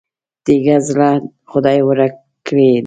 تېږه زړه خدای ورکړی دی.